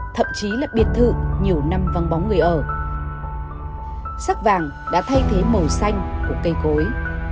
thậm chí là biệt thự nhiều năm văng bóng người ở sắc vàng đã thay thế màu xanh của cây cối